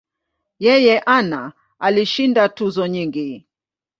Yeye ana alishinda tuzo nyingi.